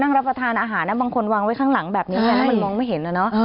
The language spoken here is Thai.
นั่งรับประทานอาหารบางคนวางวางไว้ข้างหลังแบบนี้มันมองไม่เห็นนะ